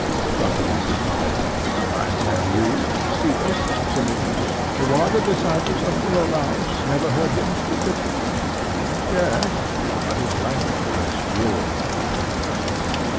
Socrates replied: And have you, Cebes and Simmias, who are the disciples of Philolaus, never heard him speak of this? Yes, but his language was obscure, Socrates.